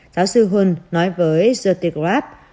giáo sư hul nói với the telegraph